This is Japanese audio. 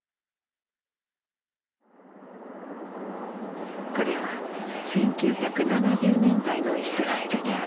これは１９７０年代のイスラエルである。